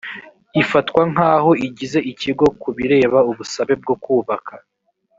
ifatwa nk aho igize ikigo ku bireba ubusabe bwo kubaka